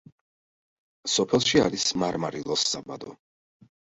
სოფელში არის მარმარილოს საბადო.